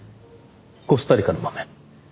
コスタリカの豆。